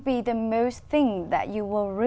một đất nước tỉnh bình